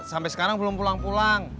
sampai sekarang belum pulang pulang